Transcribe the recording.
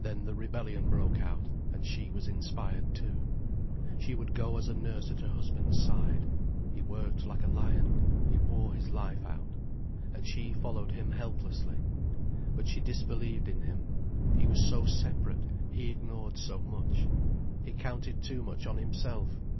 Then the rebellion broke out, and she was inspired too. She would go as a nurse at her husband's side. He worked like a lion, he wore his life out. And she followed him helplessly. But she disbelieved in him. He was so separate, he ignored so much. He counted too much on himself.